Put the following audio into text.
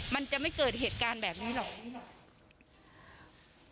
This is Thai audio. มันจะไม่เกิดเหตุการณ์แบบนี้หรอก